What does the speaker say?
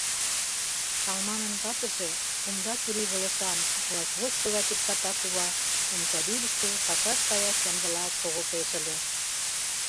Талманын ватыже, кумда чурийвылышан, руашвочко гай тӧпката кува, омсадӱрыштӧ пашаш каяш ямдылалт шогылтеш ыле.